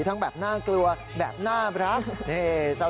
ทั้งแบบหน้าเกลือแบบหน้าพระครับ